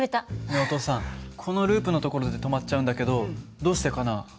ねえお父さんこのループの所で止まっちゃうんだけどどうしてかな？